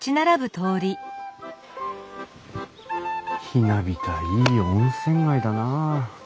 ひなびたいい温泉街だなあ。